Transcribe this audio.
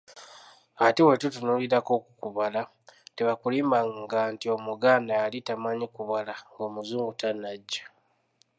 Ate bwe tutunuulirako ku kubala, tebakulimbanga nti Omuganda yali tamanyi kubala ng’Omuzungu tannajja!